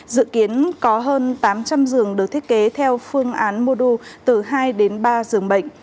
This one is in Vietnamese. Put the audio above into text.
dự kiến có hơn tám trăm linh giường được thiết kế theo phương án mô đu từ hai đến ba giường bệnh